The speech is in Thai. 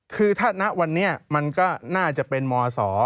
คือเนี้ยมันน่าจะเป็นมศ